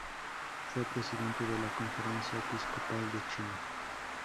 Fue presidente de la Conferencia Episcopal de Chile.